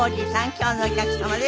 今日のお客様です。